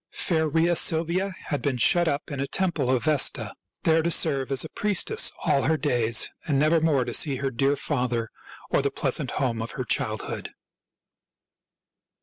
Fair Rhea Silvia had been shut up in a temple of Vesta, there to .serve as a priestess all her days, and nevermore to see her dear father or the pleasant home of her childhood.